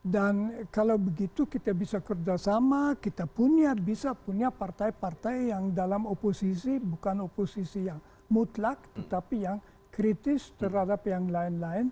dan kalau begitu kita bisa kerjasama kita punya bisa punya partai partai yang dalam oposisi bukan oposisi yang mutlak tetapi yang kritis terhadap yang lain lain